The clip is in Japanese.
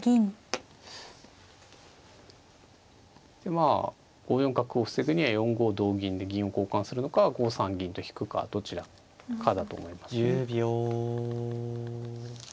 まあ５四角を防ぐには４五同銀で銀を交換するのか５三銀と引くかどちらかだと思いますね。